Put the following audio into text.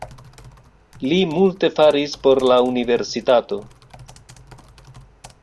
Li multe faris por la universitato.